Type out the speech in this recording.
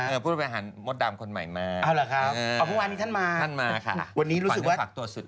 เอามาถามอะไรตอนนี้เนี่ย